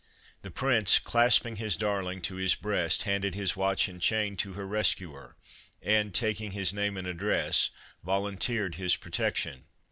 The Prince, clasping his darling to his breast, handed his watch and chain to her rescuer, and, taking his name and address, volunteered his protection.